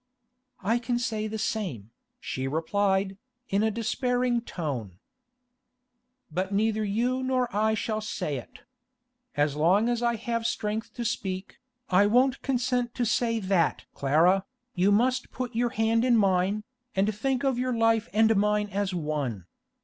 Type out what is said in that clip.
'I can say the same,' she replied, in a despairing tone. 'But neither you nor I shall say it! As long as I have strength to speak, I won't consent to say that Clara, you must put your hand in mine, and think of your life and mine as one.